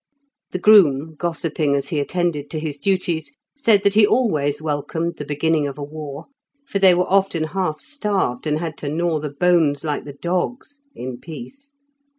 The groom, gossiping as he attended to his duties, said that he always welcomed the beginning of a war, for they were often half starved, and had to gnaw the bones, like the dogs, in peace.